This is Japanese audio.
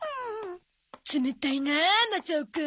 冷たいなあマサオくん。